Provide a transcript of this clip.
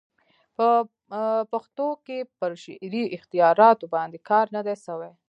په پښتو کښي پر شعري اختیاراتو باندي کار نه دئ سوى.